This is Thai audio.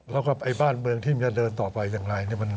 แล้วก็บ้านเมืองที่มันจะเดินต่อไปอย่างไร